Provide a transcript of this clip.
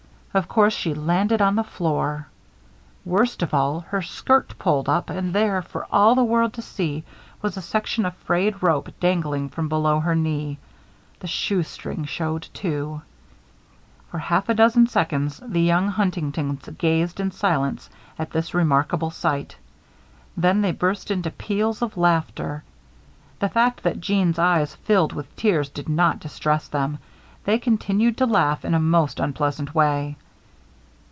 Of course she landed on the floor. Worst of all, her skirt pulled up; and there, for all the world to see, was a section of frayed rope dangling from below her knee. The shoestring showed, too. For half a dozen seconds the young Huntingtons gazed in silence at this remarkable sight. Then they burst into peals of laughter. The fact that Jeanne's eyes filled with tears did not distress them; they continued to laugh in a most unpleasant way.